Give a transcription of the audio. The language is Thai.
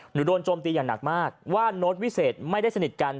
โดนโจมตีอย่างหนักมากว่าโน้ตวิเศษไม่ได้สนิทกัน